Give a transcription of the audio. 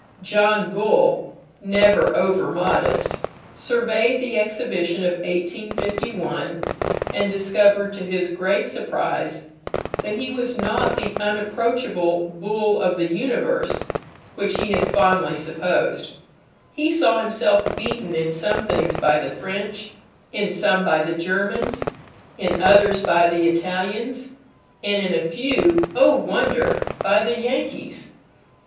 John Bull, never over modest, surveyed the Exhibition of 1851, and discovered, to his great surprise, that he was not the unapproachable Bull of the universe which he had fondly supposed. He saw himself beaten in some things by the French, in some by the Germans, in others by the Italians, and in a few (O wonder!) by the Yankees.